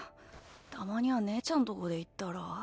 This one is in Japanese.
たまには姉ちゃんとこで言ったら？